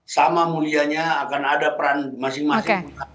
sama mulianya akan ada peran masing masing